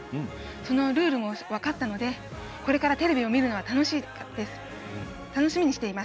そのルールも分かったのでこれからテレビを見るのは楽しみにしています。